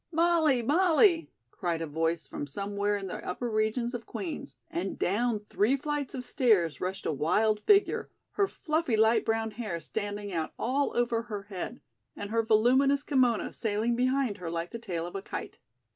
"Molly! Molly!" cried a voice from somewhere in the upper regions of Queen's, and down three flights of stairs rushed a wild figure, her fluffy light brown hair standing out all over her head and her voluminous kimono sailing behind her like the tail of a kite.